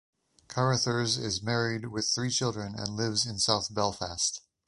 Carruthers is married with three children and lives in south Belfast.